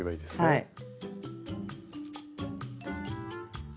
はい。